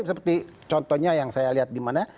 seperti contohnya yang saya lihat di mana